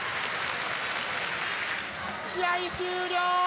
試合終了！